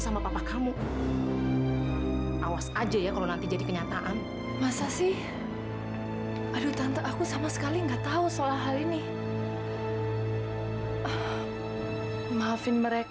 apa apa kamu malu dengan hal ini aku takut nara lari dari aku pas dia tahu soal hal ini tante